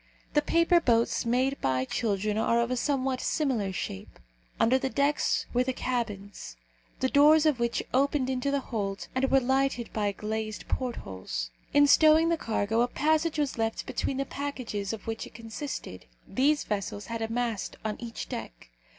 The paper boats made by children are of a somewhat similar shape. Under the decks were the cabins, the doors of which opened into the hold and were lighted by glazed portholes. In stowing the cargo a passage was left between the packages of which it consisted. These vessels had a mast on each deck.